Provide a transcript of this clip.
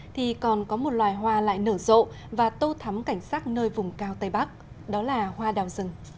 thì còn có một loài hoa lại nở rộ và tô thắm cảnh sát nơi vùng cao tây bắc đó là hoa đào rừng